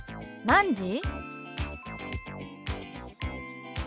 「何時？」。